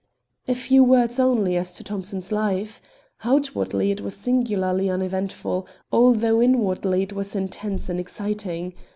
A few words only as to Thomson's life. Outwardly it was singularly uneventful, although inwardly it was intense and exciting.